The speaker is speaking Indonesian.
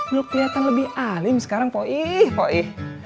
lu keliatan lebih alim sekarang po ii